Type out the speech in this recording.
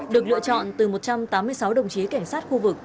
được lựa chọn từ một trăm tám mươi sáu đồng chí cảnh sát khu vực